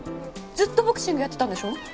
ずっとボクシングやってたんでしょ？